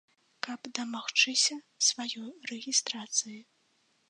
Каб дамагчыся сваёй рэгістрацыі.